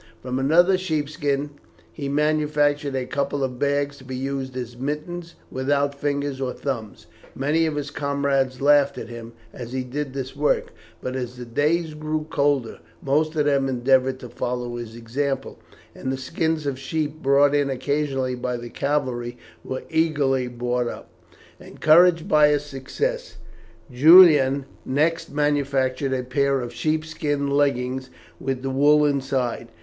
From another sheep skin he manufactured a couple of bags to be used as mittens, without fingers or thumbs. Many of his comrades laughed at him as he did his work, but as the days grew colder most of them endeavoured to follow his example, and the skins of sheep brought in occasionally by the cavalry were eagerly bought up. Encouraged by his success, Julian next manufactured a pair of sheep skin leggings, with the wool inside.